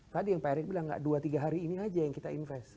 tadi yang pak erick bilang nggak dua tiga hari ini aja yang kita investasi